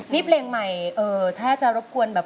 นี่เพลงใหม่ถ้าจะรบกวนแบบ